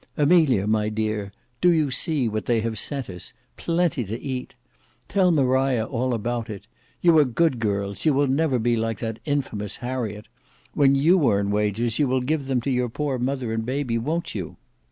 Amelia, my dear, do you see what they have sent us. Plenty to eat. Tell Maria all about it. You are good girls; you will never be like that infamous Harriet. When you earn wages you will give them to your poor mother and baby, won't you?"